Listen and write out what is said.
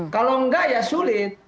kalau enggak ya sulit